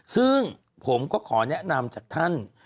ซึ่งผมก็ขอแนะนำจากท่าน